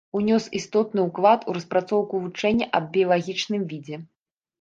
Унёс істотны ўклад у распрацоўку вучэння аб біялагічным відзе.